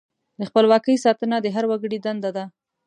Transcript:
د خپلواکۍ ساتنه د هر وګړي دنده ده.